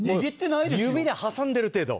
指で挟んでいる程度。